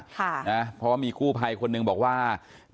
เพราะว่ามีกู้ภัยคนหนึ่งบอกว่า